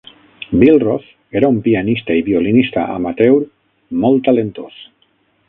Billroth era un pianista i violinista amateur molt talentós.